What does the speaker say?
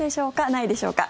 ないでしょうか？